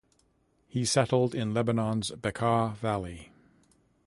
He settled in Lebanon's Bekaa Valley.